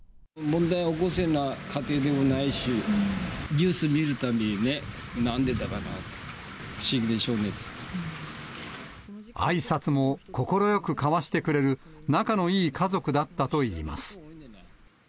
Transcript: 問題を起こすような家庭でもないし、ニュース見るたびにね、なんでだかなと、あいさつも快く交わしてくれる、仲のいい家族だったといいます。